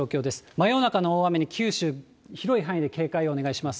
真夜中の大雨に九州、広い範囲で警戒をお願いします。